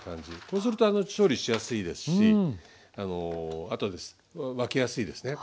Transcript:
こうすると調理しやすいですし後で分けやすいですね。